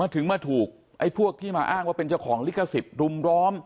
ถึงมาถูกไอ้พวกที่มาอ้างว่าเป็นเจ้าของลิขสิทธิ์รุมร้อม